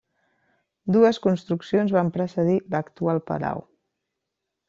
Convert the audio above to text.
Dues construccions van precedir l'actual palau.